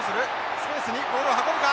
スペースにボールを運ぶか？